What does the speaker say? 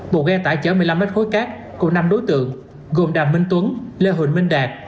một ghe tải chở một mươi năm m khối cát cùng năm đối tượng gồm đàm minh tuấn lê huỳnh minh đạt